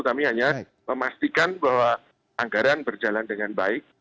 kami hanya memastikan bahwa anggaran berjalan dengan baik